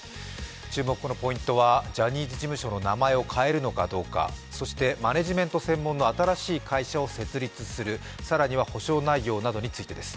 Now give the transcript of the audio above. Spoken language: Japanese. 注目のポイントは、ジャニーズ事務所の名前を変えるのかどうか、そしてマネジメント専門の新しい会社を設立する、更には補償内容などについてです。